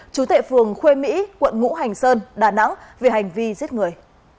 chú tệ phường khuê mỹ quận ngũ hành sơn đà nẵng về hành vi giết người